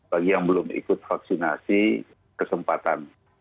bagi yang belum ikut vaksinasi kesempatan